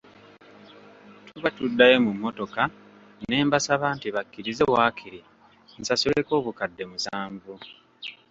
Tuba tuddayo ku mmotoka ne mbasaba nti bakkirize waakiri nsasuleko obukadde musanvu.